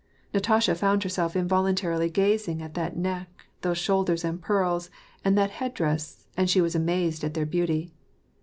Natasha found herself involuntarily gazing at that neck, those shoulders and pearls, and that head dress, and she was amazed at their beauty.